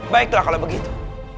baiklah kalau begitu